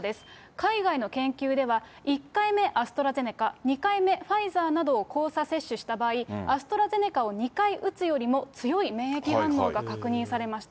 海外の研究では、１回目アストラゼネカ、２回目ファイザーなどを交差接種した場合、アストラゼネカを２回打つよりも、強い免疫反応が確認されました。